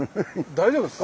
大丈夫ですか。